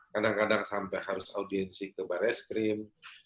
kadang kadang sampai harus audiensi ke bar es krim